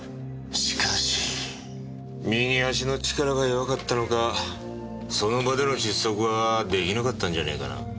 しかし右足の力が弱かったのかその場での窒息は出来なかったんじゃねえかな。